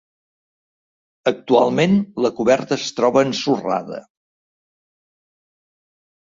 Actualment la coberta es troba ensorrada.